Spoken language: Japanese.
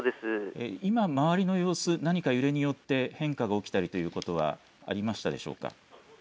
今、周りの様子、揺れによって変化が起きたりということはありますか。